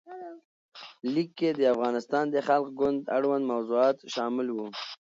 لیک کې د افغانستان د خلق ګوند اړوند موضوعات شامل وو.